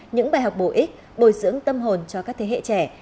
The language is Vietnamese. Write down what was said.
những bài học bổ ích bồi dưỡng tâm hồn cho các thế hệ trẻ